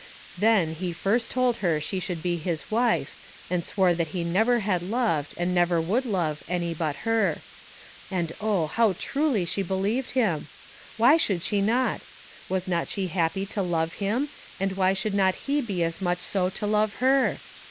Then he first told her she should be his wife, and swore that he never had loved, and never would love any but her; and oh, how truly she believed him! Why should she not? was not she happy to love him, and why should not he be as much so to love her?